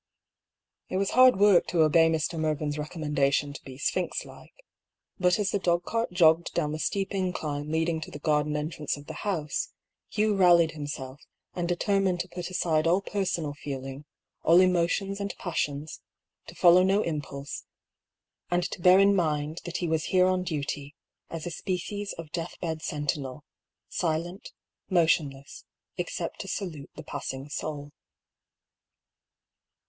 It was hard work to obey Mr. Mervyn's recommen* dation to be sphinx like. But as the dogcart jogged down the steep incline leading to the garden entrance of the house, Hugh rallied himself, and determined to put aside all personal feeling, all emotions and passions, to follow no impulse, and to bear in mind that he was here on duty, as a species of deathbed sentinel — silent, motionless, except to salute the passing soul.